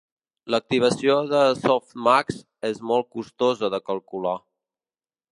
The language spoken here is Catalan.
L'activació de softmax és molt costosa de calcular.